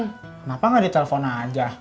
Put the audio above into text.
kenapa gak ditelepon aja